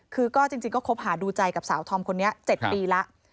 คือก็จริงก็คบหาดูใจกับสาวธอมคนนี้๗ปีแล้ว